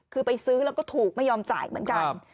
คือไปซื้อแล้วก็ถูกไม่ยอมจ่ายเหมือนกัน